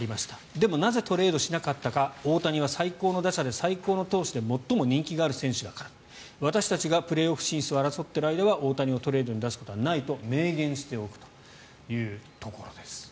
でも、なぜトレードしなかったか大谷は最高の打者で最高の投手で最も人気がある選手だから私たちがプレーオフ進出を争っている間は大谷をトレードに出すことはないと明言しておくというところです。